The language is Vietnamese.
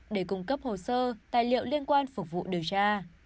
để cung cấp hồ sơ tài liệu liên quan phục vụ điều tra